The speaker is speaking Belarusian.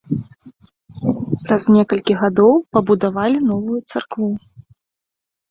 Праз некалькі гадоў пабудавалі новую царкву.